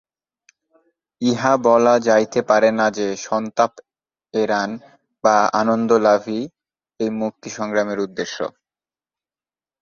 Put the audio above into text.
ইহা বলা যাইতে পারে না যে, সন্তাপ এড়ান বা আনন্দলাভই এই মুক্তি-সংগ্রামের উদ্দেশ্য।